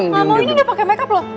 gak mau ini udah pake makeup loh